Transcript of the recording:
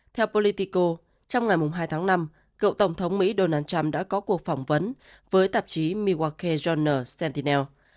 theo politico trong ngày hai tháng năm cậu tổng thống mỹ donald trump đã có cuộc phỏng vấn với tạp chí milwaukee journal sentinel